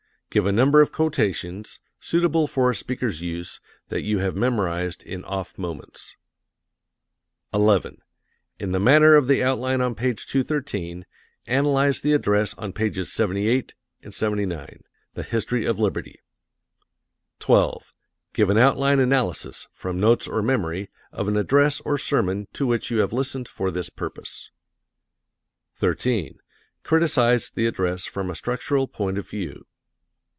Give a number of quotations, suitable for a speaker's use, that you have memorized in off moments. 11. In the manner of the outline on page 213, analyze the address on pages 78 79, "The History of Liberty." 12. Give an outline analysis, from notes or memory, of an address or sermon to which you have listened for this purpose. 13. Criticise the address from a structural point of view.